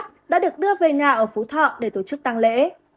n d h đã được đưa về nhà ở phú thọ để tổ chức tăng lễ